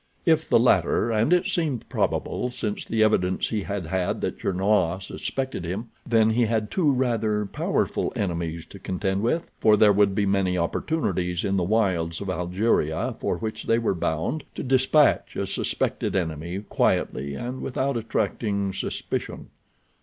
If the latter, and it seemed probable since the evidence he had had that Gernois suspected him, then he had two rather powerful enemies to contend with, for there would be many opportunities in the wilds of Algeria, for which they were bound, to dispatch a suspected enemy quietly and without attracting suspicion.